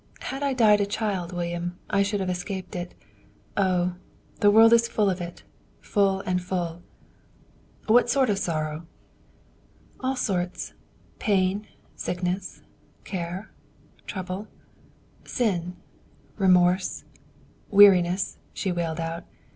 Had I died a child, William, I should have escaped it. Oh! The world is full of it! full and full." "What sort of sorrow?" "All sorts. Pain, sickness, care, trouble, sin, remorse, weariness," she wailed out.